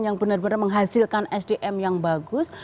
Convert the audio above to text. yang benar benar menghasilkan sdm yang bagus